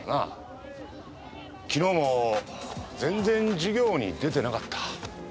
昨日も全然授業に出てなかった。